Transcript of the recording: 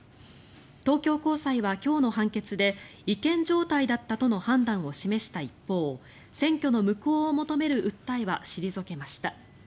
東京高裁は今日の判決で違憲状態だったとの判断を示した一方選挙の無効を求める訴えは退けました。